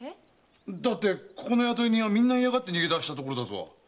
だってここの雇い人はみんな嫌がって逃げ出したところだぞ。